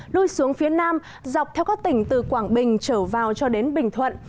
lui xuống phía nam dọc theo các tỉnh từ quảng bình trở vào cho đến bình thuận